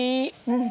うん。